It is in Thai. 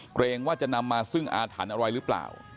เกรงว่าจะนำมาซึ่งอาถรรพ์อะไรหรือเปล่า